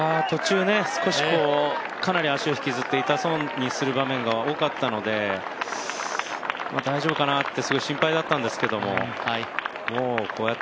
途中、少しかなり足を引きずって痛そうにする場面が多かったので、大丈夫かなと心配だったんですけど。